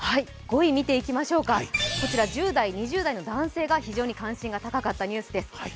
５位見ていきましょうか、こちら１０代、２０代の男性が関心が高かったニュースです。